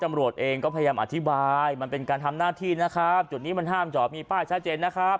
ตำรวจเองก็พยายามอธิบายมันเป็นการทำหน้าที่นะครับจุดนี้มันห้ามจอดมีป้ายชัดเจนนะครับ